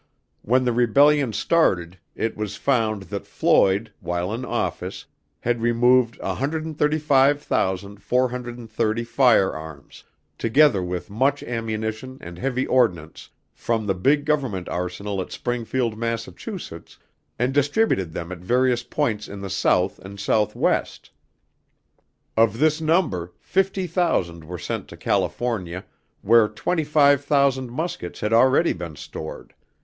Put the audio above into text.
When the Rebellion started, it was found that Floyd, while in office, had removed 135,430 firearms, together with much ammunition and heavy ordnance, from the big Government arsenal at Springfield, Massachusetts, and distributed them at various points in the South and Southwest. Of this number, fifty thousand were sent to California where twenty five thousand muskets had already been stored.